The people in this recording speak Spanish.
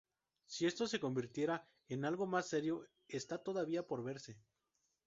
Si esto se convertirá en algo más serio está todavía por verse.